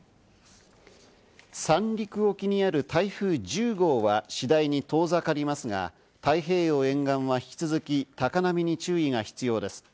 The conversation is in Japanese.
三陸沖にある台風１０号は次第に遠ざかりますが、太平洋沿岸は引き続き、高波に注意が必要です。